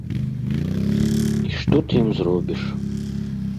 І што ты ім зробіш?